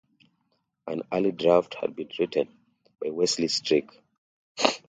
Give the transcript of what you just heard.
An early draft had been written by Wesley Strick.